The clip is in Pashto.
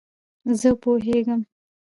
زه پوهېږم !